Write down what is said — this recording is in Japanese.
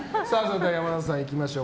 では山田さんいきましょう。